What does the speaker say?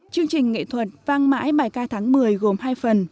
chương trình nghệ thuật vang mãi bài ca tháng một mươi gồm hai phần